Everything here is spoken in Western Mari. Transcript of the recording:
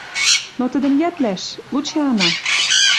Но тӹдӹм йӓтлӓш... лучи ана —